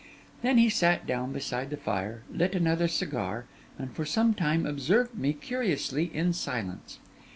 Then he sat down beside the fire, lit another cigar, and for some time observed me curiously in silence.